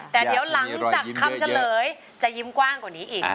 แต่เดี๋ยวหลังจากคำเฉลยจะยิ้มกว้างกว่านี้อีก